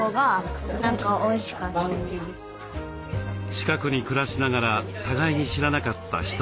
近くに暮らしながら互いに知らなかった人たち。